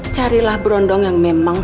carilah berondong yang memang